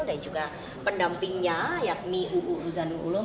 dan juga pendampingnya yakni uu ruzanul ulum